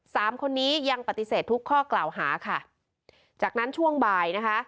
สามคนนี้ยังปฏิเสธทุกข้อกล่าวหาค่ะจากนั้นช่วงบ่ายนะคะ